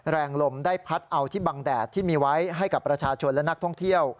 แรงลมได้พัดเอาที่บังแดดที่มีไว้ให้กับประชาชนและนักท่องเที่ยว